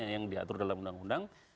yang diatur dalam undang undang